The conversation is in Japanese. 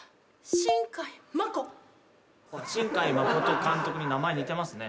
新海誠監督に名前似てますね。